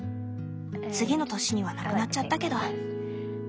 次の年にはなくなっちゃったけど。